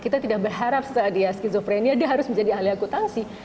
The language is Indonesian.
kita tidak berharap dia skizophrenia dia harus menjadi ahli akutansi